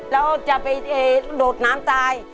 แล้วจะไปโดดน้ำตาย